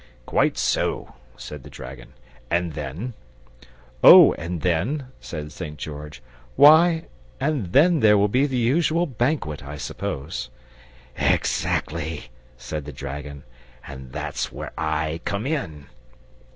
"Quite so," said the dragon. "And then ?" "Oh, and then " said St. George, "why, and then there will be the usual banquet, I suppose." "Exactly," said the dragon; "and that's where I come in.